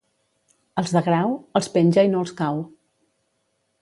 Als de Grau, els penja i no els cau.